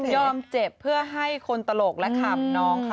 เจ็บเพื่อให้คนตลกและขับน้องค่ะ